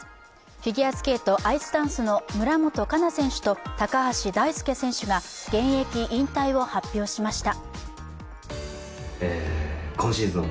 フィギュアスケート・アイスダンスの村元哉中選手と高橋大輔選手が現役引退を発表しました。